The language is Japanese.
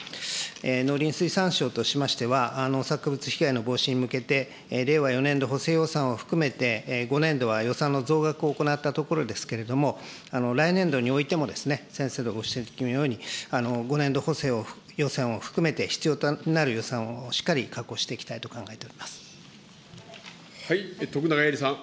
農林水産省としましては、農作物被害の防止に向けて、令和４年度補正予算を含めて、５年度は予算の増額を行ったところですけれども、来年度においても先生のご指摘のとおり、５年度補正予算を含めて、必要となる予算をしっかり確保していき徳永エリさん。